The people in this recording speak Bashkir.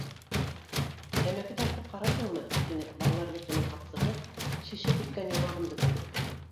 — Тәмәке тартып ҡарайһыңмы? — тине балалар йортоноң һаҡсыһы, шешеп бөткән яңағымды күреп.